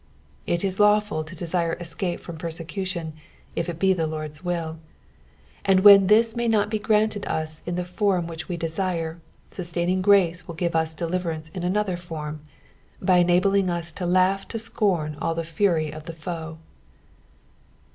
^'' It is lawful to desire escape from persecution if it be the Lord's will ; and when this may not be granted us in the form which we deaire, sus taining grace will give us deliverance in another form, by enabling us to laugh to scorn all the fury of the foe.